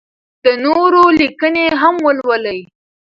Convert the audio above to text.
د نورو لیکنې هم ولولئ.